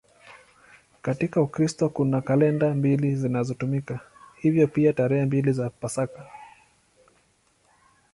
Katika Ukristo kuna kalenda mbili zinazotumika, hivyo pia tarehe mbili za Pasaka.